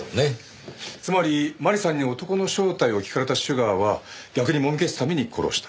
つまり麻里さんに男の正体を聞かれたシュガーは逆にもみ消すために殺した。